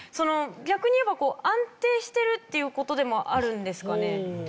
逆に言えば安定してるっていう事でもあるんですかね？